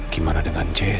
gimana dengan jessy